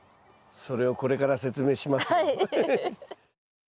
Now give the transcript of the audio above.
それをこれから説明しますよ。